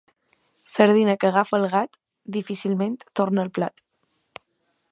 Sardina que agafa el gat, difícilment torna al plat.